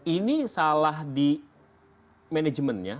ini salah di manajemennya